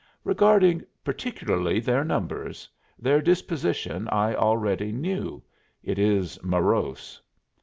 "Regarding, particularly, their numbers. Their disposition I already knew. It is morose."